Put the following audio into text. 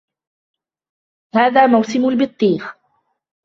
هذا موسم البطيخ.